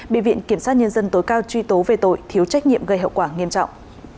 bị viện kiểm sát nhân dân tối cao truy tố về tội thiếu trách nhiệm gây hậu quả nghiêm trọng